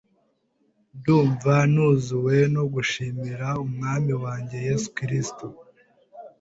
Ndumva nuzuwe no gushimira Umwami wanjye Yesu Kristo